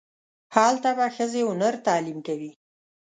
هلته به ښځې و نر تعلیم کوي.